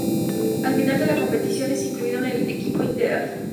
Al final de la competición es incluido en el equipo ideal.